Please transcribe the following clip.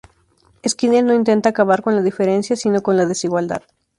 Skinner no intenta acabar con la diferencia sino con la desigualdad.